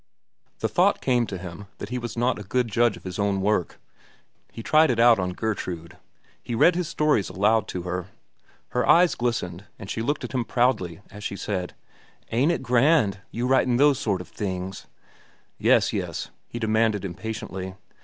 The thought came to him that he was not a good judge of his own work. He tried it out on Gertrude. He read his stories aloud to her. Her eyes glistened, and she looked at him proudly as she said: "Ain't it grand, you writin' those sort of things." "Yes, yes," he demanded impatiently.